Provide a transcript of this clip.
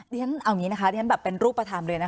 ดิฉันเอาอย่างนี้นะคะดิฉันแบบเป็นรูปประทามเลยนะคะ